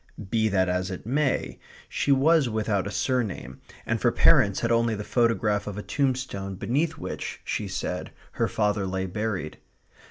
Be that as it may, she was without a surname, and for parents had only the photograph of a tombstone beneath which, she said, her father lay buried.